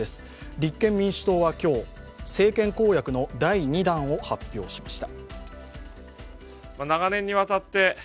立憲民主党は今日、政権公約の第２弾を発表しました。